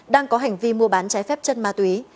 đang có hành vi mua bán trái phép chất ma túy